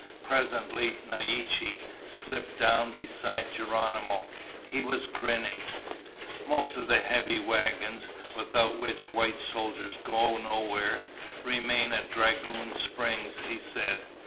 Presently, Naiche slipped down beside Geronimo. He was grinning. "Most of the heavy wagons, without which white soldiers go nowhere, remain at Dragoon Springs," he said.